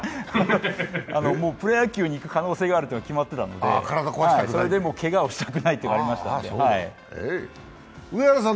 もうプロ野球に行く可能性が決まっていたので、それでけがをしたくないっていうのがありましたので。